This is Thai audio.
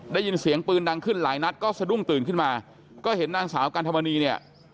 ได้ยินเสียงปืนดังขึ้นหลายนัดก็สะดุ้งตื่นขึ้นมาก็เห็นนางสาวกันธรรมนีเนี่ย